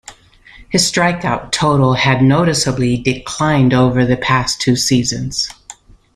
His strikeout total had noticeably declined over the past two seasons.